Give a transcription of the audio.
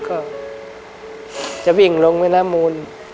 ก็จะวิ่งลงวิลามูน